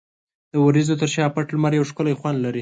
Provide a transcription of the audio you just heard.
د وریځو تر شا پټ لمر یو ښکلی خوند لري.